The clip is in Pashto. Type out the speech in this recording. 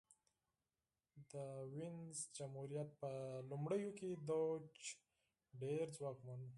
د وینز جمهوریت په لومړیو کې دوج ډېر ځواکمن و